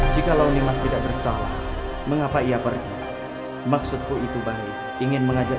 jikalau nimas tidak bersalah mengapa ia pergi maksudku itu baik ingin mengajak